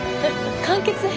「完結編？」。